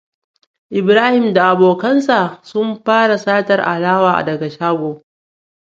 Ibrahim da abokansa sun fara satar alawa daga shago.